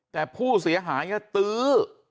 แต่ผู้เสียหายตื้อ